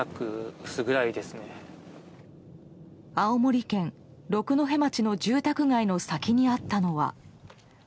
青森県六戸町の住宅街の先にあったのは。